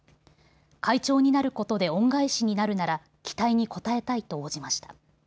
会長になることで恩返しになるなら期待に応えたいと応じました。